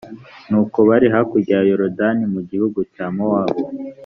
nuko, bari hakurya ya yorudani mu gihugu cya mowabu